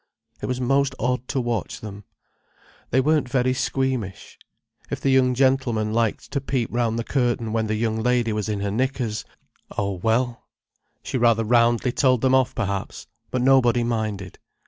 It was most odd to watch them. They weren't very squeamish. If the young gentlemen liked to peep round the curtain when the young lady was in her knickers: oh, well, she rather roundly told them off, perhaps, but nobody minded.